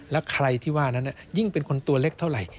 แล้วใครที่ว่านั้นยิ่งเป็นคนตัวเล็กเท่าไหร่